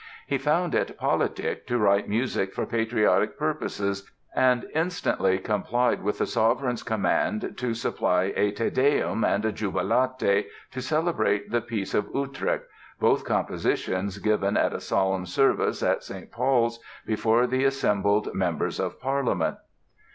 He found it politic to write music for patriotic purposes, and instantly complied with the sovereign's command to supply a "Te Deum" and a "Jubilate" to celebrate the Peace of Utrecht, both compositions given at a solemn service at St. Paul's before the assembled Members of Parliament.